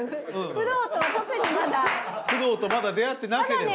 フドウとまだ出会ってなければ？